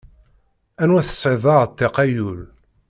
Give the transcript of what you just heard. Anwa tesɛiḍ d aɛtiq ay ul!